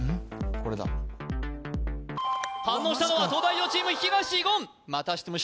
これだ反応したのは東大王チーム東言またしても勝利なるか？